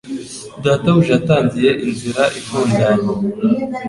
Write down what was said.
Databuja yatangiye inzira ifunganye